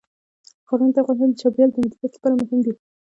ښارونه د افغانستان د چاپیریال د مدیریت لپاره مهم دي.